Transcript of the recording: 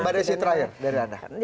mbak desyit raya dari anda